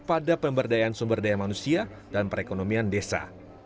pada pemberdayaan sumber daya manusia dan perekonomian desa